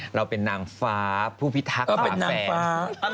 เราเป็นนางฟ้าผู้พิทักษ์หรือแฟน